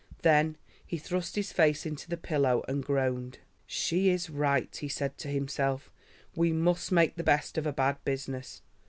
Then he thrust his face into the pillow and groaned. "She is right," he said to himself; "we must make the best of a bad business.